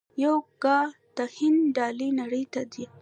یوګا د هند ډالۍ نړۍ ته ده.